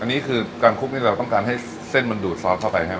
อันนี้คือการคลุกนี่เราต้องการให้เส้นมันดูดซอสเข้าไปใช่ไหม